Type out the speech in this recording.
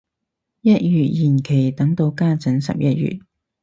一月延期等到家陣十一月